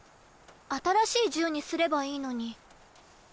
新しい銃にすればいいのに。